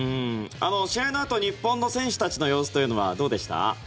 試合のあと日本の選手たちの様子というのはどうでした？